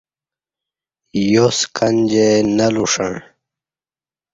یوسکنجے نہ لوݜݩع